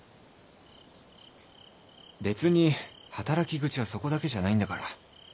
別に働き口はそこだけじゃないんだから。